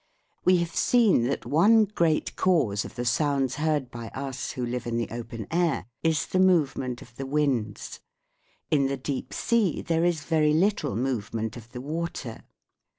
We have seen that one great cause of the sounds heard by us, who live in the open air, is the movement of the winds. In the deep sea there is very little movement of the water.